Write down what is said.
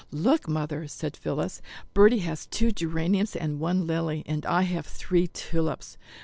"Look, Mother," said Phillis, "Bertie has two geraniums and one lily, and I have three tulips."